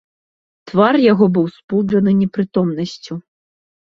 Твар яго быў спуджаны непрытомнасцю.